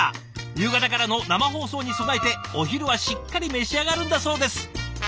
夕方からの生放送に備えてお昼はしっかり召し上がるんだそうです。